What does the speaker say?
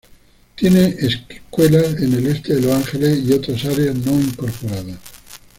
Tiene escuelas en el Este de Los Ángeles y otras áreas no incorporadas.